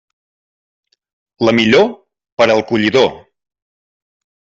La millor, per al collidor.